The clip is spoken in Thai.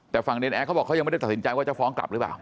แต่ฝั่งเนรแอร์เขาบอกเขายังไม่ได้ตัดสินใจว่าจะฟ้องกลับหรือเปล่า